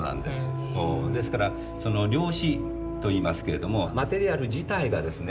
ですから料紙といいますけれどもマテリアル自体がですね